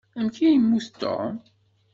Amek ay yemmut Tom?